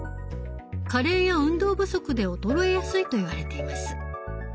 加齢や運動不足で衰えやすいといわれています。